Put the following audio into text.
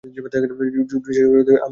বুঝিসই তো আম্মু জানলে কি করবে।